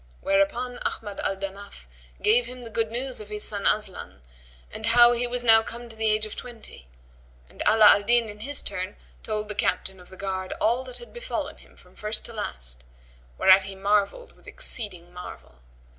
Whereupon Ahmad al Danaf gave him the good news of his son Aslan and how he was now come to the age of twenty: and Ala al Din, in his turn, told the Captain of the Guard all that had befallen him from first to last, whereat he marvelled with exceeding marvel.